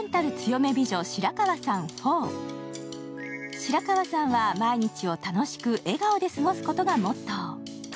白川さんは毎日を楽しく笑顔で過ごすことがモットー。